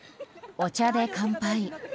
お茶で乾杯。